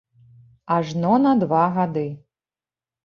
Ажно на два гады.